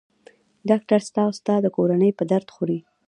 ډاکټر ستا او ستا د کورنۍ په درد خوري.